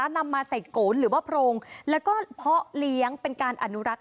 นำมาใส่โกนหรือว่าโพรงแล้วก็เพาะเลี้ยงเป็นการอนุรักษ์